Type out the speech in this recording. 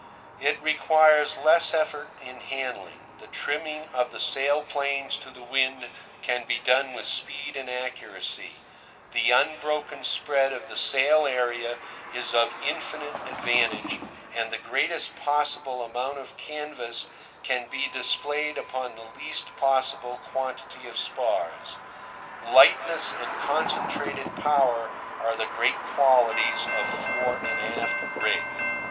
It requires less effort in handling; the trimming of the sail planes to the wind can be done with speed and accuracy; the unbroken spread of the sail area is of infinite advantage; and the greatest possible amount of canvas can be displayed upon the least possible quantity of spars. Lightness and concentrated power are the great qualities of fore and aft rig.